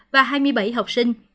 và hai mươi bảy học sinh